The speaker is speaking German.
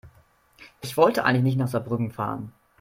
Ich wollte eigentlich nicht nach Saarbrücken fahren